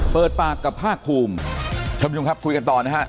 เปิดปากกับภาคคุมชมชมครับคุยกันตอนนะฮะ